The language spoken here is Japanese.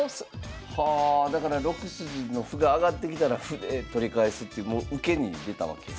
はあだから６筋の歩が上がってきたら歩で取り返すっていう受けに出たわけや。